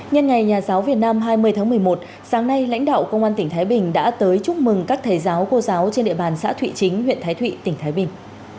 nhân ngày nhà giáo việt nam hai mươi tháng một mươi một sáng nay lãnh đạo công an tỉnh thái bình đã tới chúc mừng các thầy giáo cô giáo trên địa bàn xã thụy chính huyện thái thụy tỉnh thái bình